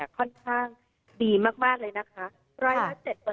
ค่อนข้างดีมากเลยนะคะ